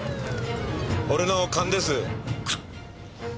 俺の勘です。か！？